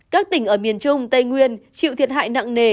các tỉnh ở miền trung tây nguyên chịu thiệt hại nặng nề